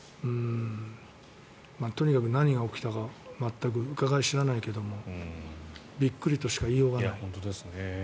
とにかく何が起きたか全くうかがい知れないけどびっくりとしか言いようがない。